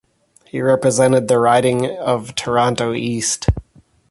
He represented the riding of Toronto East.